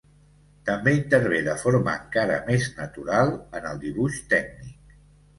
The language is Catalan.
També intervé de forma encara més natural en el dibuix tècnic.